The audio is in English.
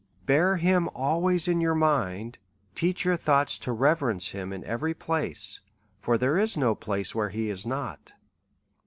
Bear him always in your mind, teach your thoughts to reverence him in every place, for there is no place where he is not.